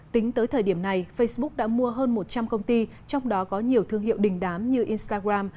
tính tới thời điểm này facebook đã mua hơn một trăm linh công ty trong đó có nhiều thương hiệu đình đám như instagram